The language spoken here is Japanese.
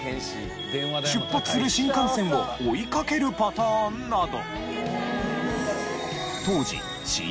出発する新幹線を追いかけるパターンなど。